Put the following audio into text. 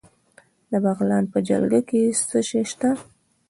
د بغلان په جلګه کې څه شی شته؟